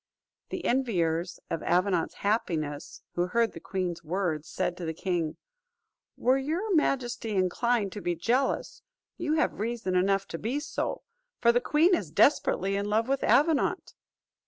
The enviers of Avenant's happiness, who heard the queen's words, said to the king, "Were your majesty inclined to be jealous, you have reason enough to be so, for the queen is desperately in love with Avenant."